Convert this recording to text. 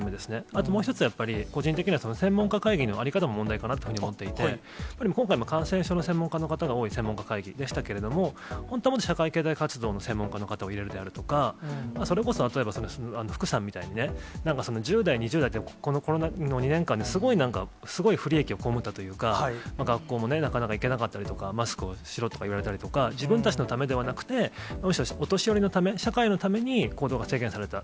あともう１つ、やっぱり個人的には、専門家会議の在り方も問題かなというふうに思っていて、やっぱり今回、感染症の専門家の方が多い専門家会議でしたけども、本当はもっと社会経済活動の専門家の方を入れるであるとか、それこそ例えば、福さんみたいにね、１０代、２０代ってこの２年間にすごいなんか、すごい不利益を被ったというか、学校もなかなか行けなかったりとか、マスクをしろとか言われたりとか、自分たちのためではなくて、お年寄りのため、社会のために行動が制限された。